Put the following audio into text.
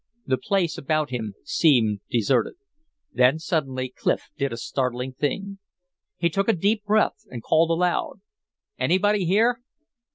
The place about him seemed deserted. Then suddenly Clif did a startling thing. He took a deep breath and called aloud. "Anybody here?"